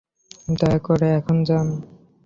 দয়া করে এখন যান।